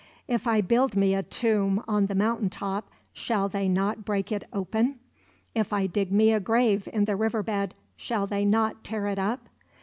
If I build me a tomb on the mountain top, shall they not break it open? If I dig me a grave in the river bed, shall they not tear it up?